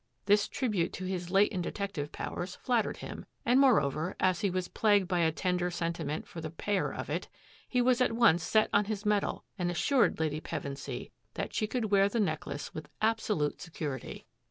This tribute to his latent detective powers flattered him, and, moreover, as he was plagued by a tender sentiment for the payer of it, he was at once set on his mettle and assured Lady Pevensy that she could wear the necklace with absolute security.